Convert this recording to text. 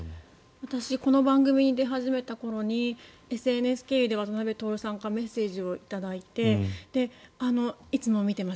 私この番組に出始めた頃にＳＮＳ経由で渡辺徹さんからメッセージをいただいていつも見てます